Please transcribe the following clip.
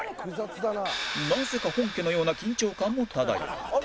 なぜか本家のような緊張感も漂う